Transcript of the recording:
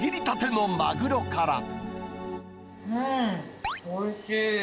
うん、おいしい。